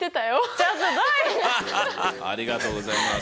ハハハッありがとうございます。